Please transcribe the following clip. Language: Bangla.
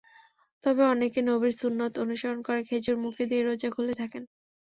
তবে অনেকে নবীর সুন্নত অনুসরণ করে খেজুর মুখে দিয়ে রোজা খুলে থাকেন।